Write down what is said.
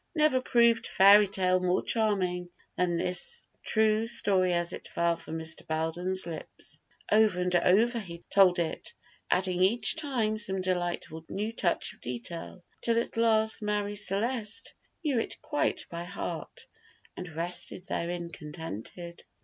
Never proved fairy tale more charming than this true story as it fell from Mr. Belden's lips. Over and over he told it, adding each time some delightful new touch of detail, till at last Marie Celeste knew it quite by heart, and rested therein contented.